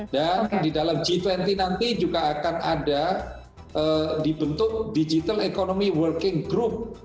dan di dalam g dua puluh nanti juga akan ada dibentuk digital economy working group